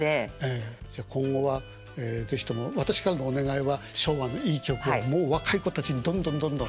じゃ今後は是非とも私からのお願いは昭和のいい曲をもう若い子たちにどんどんどんどん。